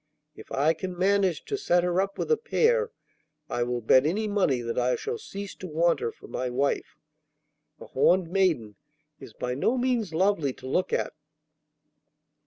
If I can manage to set her up with a pair, I will bet any money that I shall cease to want her for my wife. A horned maiden is by no means lovely to look at.